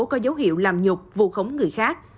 có dấu hiệu làm nhục vụ khống người khác